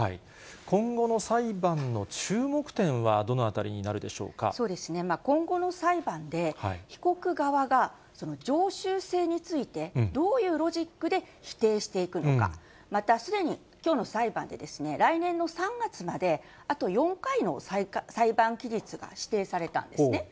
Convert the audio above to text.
今後の裁判の注目点はどのあそうですね、今後の裁判で、被告側が常習性についてどういうロジックで否定していくのか、また、すでにきょうの裁判で、来年の３月まで、あと４回の裁判期日が指定されたんですね。